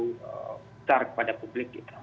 terlalu besar kepada publik